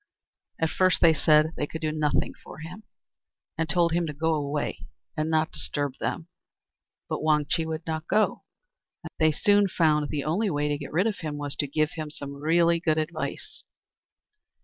At first they said they could do nothing for him, and told him to go away and not disturb them; but Wang Chih would not go, and they soon found the only way to get rid of him was to give him some really good advice.